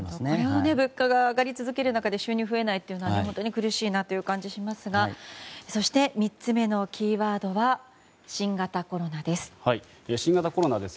物価が上がり続ける中で収入が増えないのは苦しいなという感じですが３つ目のキーワードは新型コロナです。